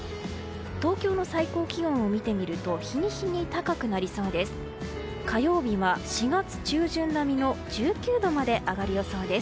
東京の最高気温を見てみると日に日に高くなりそうです。